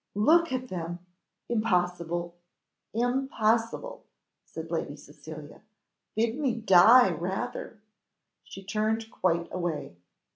"Look at them! Impossible! Impossible!" said Lady Cecilia. "Bid me die rather." She turned quite away.